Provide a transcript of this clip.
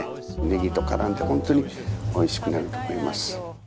ネギと絡んで本当においしくなると思います。